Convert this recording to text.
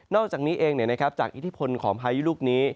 อกจากนี้เองจากอิทธิพลของพายุลูกนี้